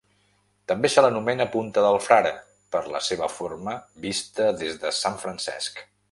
També se l'anomena Punta del Frare per la seva forma vista des de Sant Francesc.